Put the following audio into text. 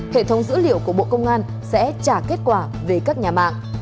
hệ thống dữ liệu của bộ công an sẽ trả kết quả về các nhà mạng